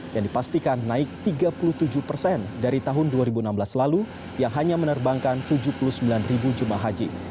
yang dipastikan naik tiga puluh tujuh persen dari tahun dua ribu enam belas lalu yang hanya menerbangkan tujuh puluh sembilan ribu jemaah haji